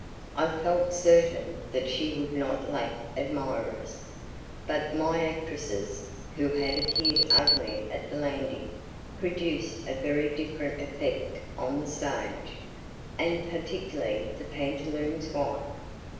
I felt certain that she would not lack admirers. But my actresses, who had appeared ugly at the landing, produced a very different effect on the stage, and particularly the pantaloon's wife.